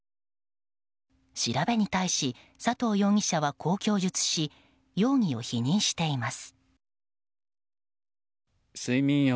調べに対し佐藤容疑者はこう供述し容疑を否認しています。